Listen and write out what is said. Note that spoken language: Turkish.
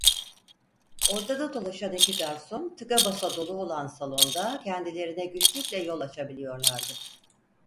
Ortada dolaşan iki garson, tıka basa dolu olan salonda kendilerine güçlükle yol açabiliyorlardı.